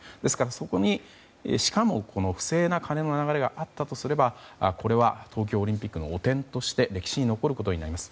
そこに、しかも不正な金の流れがあったとすれば東京オリンピックの汚点として歴史に残ることになります。